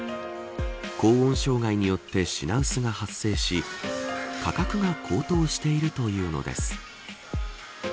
高温障害によって品薄が発生し価格が高騰しているというのです。